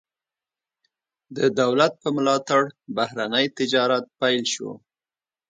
د دولت په ملاتړ بهرنی تجارت پیل شو.